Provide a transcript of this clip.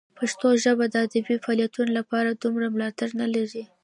پښتو ژبه د ادبي فعالیتونو لپاره دومره ملاتړ نه لري.